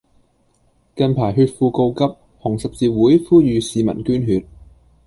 近排血庫告急，紅十字會呼籲市民捐血